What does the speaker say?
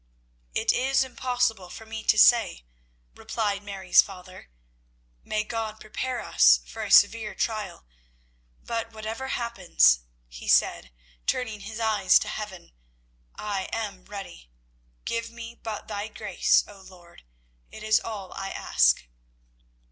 "It is impossible for me to say," replied Mary's father. "May God prepare us for a severe trial, but whatever happens," said he, turning his eyes to heaven, "I am ready. Give me but Thy grace, O Lord; it is all I ask."